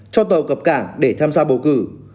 cho tàu cập cảng để tham gia bầu cử